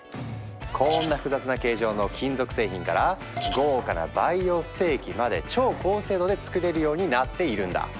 こんな複雑な形状の金属製品から豪華な培養ステーキまで超高精度で作れるようになっているんだ！